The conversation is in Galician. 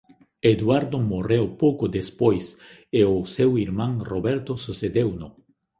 Eduardo morreu pouco despois e o seu irmán Roberto sucedeuno.